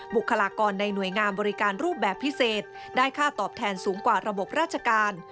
บุคลากรในหน่วยงามบริการรูปแบบพิเศษได้ค่าตอบแทนสูงกว่าระบบราชการ